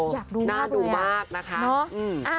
อยากดูมากเลยอะน่าดูมากนะคะ